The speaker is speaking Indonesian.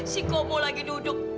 si komu lagi duduk